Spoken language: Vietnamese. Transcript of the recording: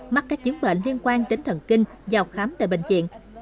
mắc các chứng bệnh liên quan đến thần kinh vào khám tại bệnh viện